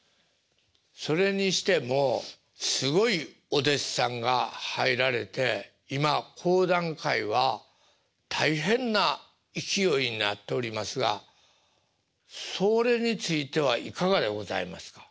それにしてもすごいお弟子さんが入られて今講談界は大変な勢いになっておりますがそれについてはいかがでございますか？